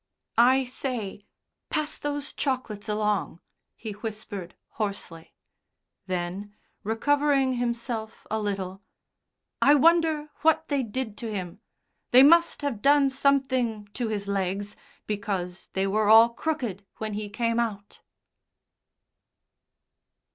"I say, pass those chocolates along!" he whispered hoarsely. Then, recovering himself a little: "I wonder what they did to him? They must have done something to his legs, because they were all crooked when he came out."